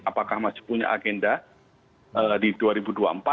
apakah masih punya agenda di dalamnya